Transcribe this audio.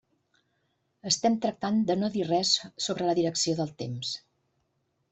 Estem tractant de no dir res sobre la direcció del temps.